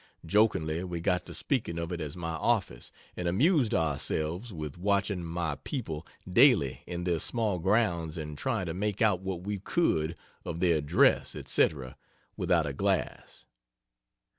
Jokingly we got to speaking of it as my office; and amused ourselves with watching "my people" daily in their small grounds and trying to make out what we could of their dress, &c., without a glass.